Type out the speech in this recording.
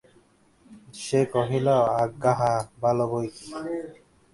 সে কহিল, আজ্ঞা হাঁ, ভালো বৈকি।